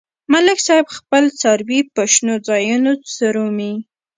ملک صاحب خپل څاروي په شنو ځایونو څرومي.